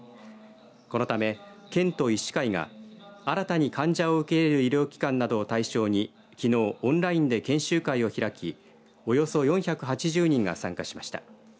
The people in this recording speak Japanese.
このため、県と医師会が新たに患者を受け入れる医療機関などを対象にきのうオンラインで研修会を開きおよそ４８０人が参加しました。